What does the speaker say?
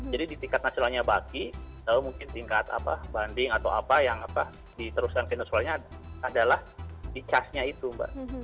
jadi di tingkat nasionalnya baki atau mungkin tingkat banding atau apa yang diteruskan ke nasionalnya adalah di casnya itu mbak